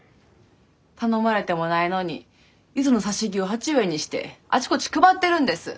頼まれてもないのに柚子の挿し木を鉢植えにしてあちこち配ってるんです。